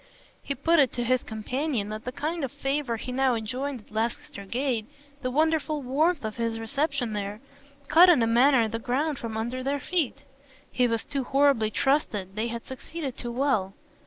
He put it to his companion that the kind of favour he now enjoyed at Lancaster Gate, the wonderful warmth of his reception there, cut in a manner the ground from under their feet. He was too horribly trusted they had succeeded too well.